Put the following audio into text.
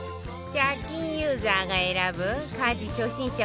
１００均ユーザーが選ぶ家事初心者